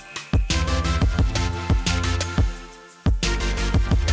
semuanya cocok pak anies dengan pak muhyiddin cocok pak ganjar dengan pak mahfuz cocok pak prabowo juga cocok